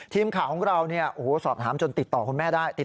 ทีมข่าวของเราสอบถามจนติดต่อคุณแม่ได้